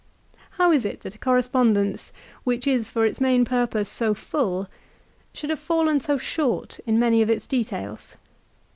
How is it that a correspondence which is for its main purpose so full, should have fallen so short in many of its details?